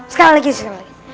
sekali lagi sekali lagi